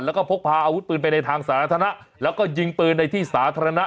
แล้วก็พกพาอาวุธปืนไปในทางสาธารณะแล้วก็ยิงปืนในที่สาธารณะ